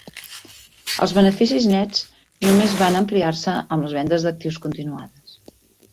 Els beneficis nets només van ampliar-se amb les vendes d'actius continuades.